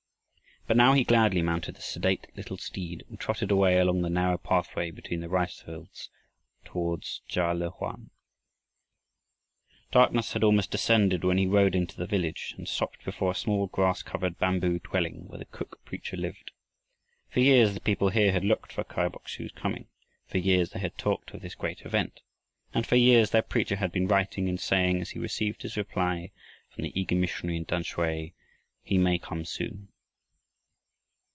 But now he gladly mounted the sedate little steed and trotted away along the narrow pathway between the rice fields toward Ka le oan. Darkness had almost descended when he rode into the village and stopped before a small grass covered bamboo dwelling where the cook preacher lived. For years the people here had looked for Kai Bok su's coming, for years they had talked of this great event, and for years their preacher had been writing and saying as he received his reply from the eager missionary in Tamsui, "He may come soon."